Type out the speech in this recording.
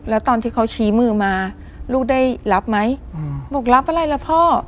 แล้วตอนที่เขาชี้มือมาลูกได้รับไหมบอกรับอะไรล่ะพ่อ